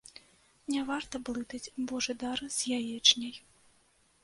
Не варта блытаць божы дар з яечняй.